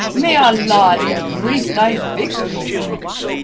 May Allah increase thy victories!"